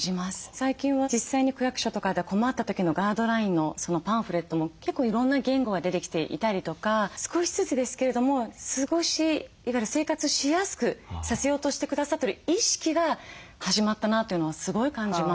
最近は実際に区役所とかでは困った時のガイドラインのパンフレットも結構いろんな言語が出てきていたりとか少しずつですけれども生活しやすくさせようとしてくださってる意識が始まったなというのはすごい感じます。